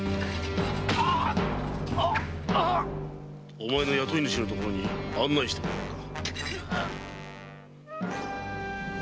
お前の雇い主のところに案内してもらおうか。